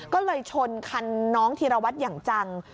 ก็เลยชนคันน้องธีรวัตรอย่างจัง